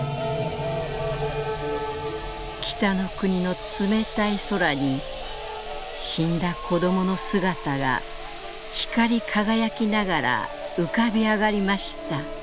北の国の冷たい空に死んだ子どもの姿が光輝きながら浮かび上がりました」。